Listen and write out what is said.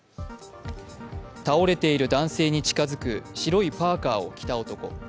倒れている男性に近づく白いパーカーを着た男。